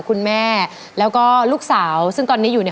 คุณสักครับครับ